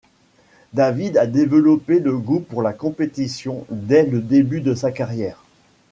David a développé le goût pour la compétition dès le début de sa carrière.